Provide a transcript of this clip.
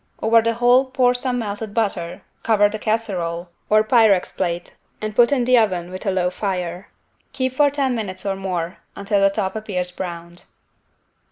Over the whole pour some melted butter, cover the casserole, (or =pyrex= plate) and put it in the oven with a low fire. Keep for ten minutes or more, until the top appears browned.